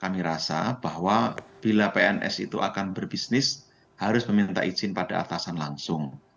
kami rasa bahwa bila pns itu akan berbisnis harus meminta izin pada atasan langsung